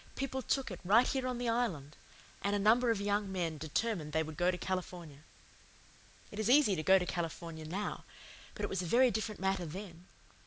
People took it, right here on the Island; and a number of young men determined they would go to California. "It is easy to go to California now; but it was a very different matter then.